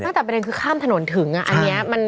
น่าจะเป็นเรื่องคือข้ามถนนถึงอ่ะอันนี้มันเกินไป